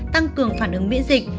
tăng cường phản ứng miễn dịch